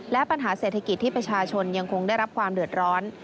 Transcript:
และปัญหาเศรษฐกิจที่ประชาชนยังคงได้รับความเดือดร้อน